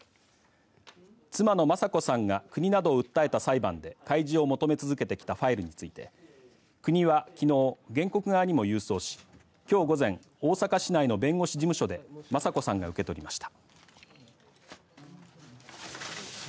妻の雅子さんが国などを訴えた裁判で開示を求め続けてきたファイルについて、国はきのう原告側にも郵送し、きょう午前大阪市内の弁護士事務所で雅子さんが受け取りました。